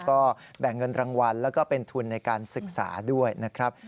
ก็แบ่งเงินรางวัลแล้วก็เป็นทุนในการศึกษาด้วยนะครับ